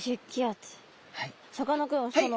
さかなクン